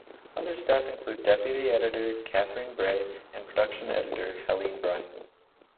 Other staff include deputy editor Catherine Bray and production editor Helen Byrne.